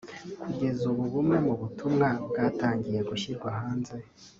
Kugeza ubu bumwe mu butumwa bwatangiye gushyirwa hanze